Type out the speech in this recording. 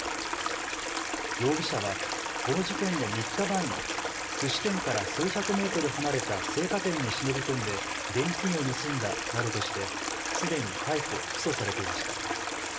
容疑者はこの事件の３日前にすし店から数百メートル離れた青果店に忍び込んで現金を盗んだなどとしてすでに逮捕・起訴されていました。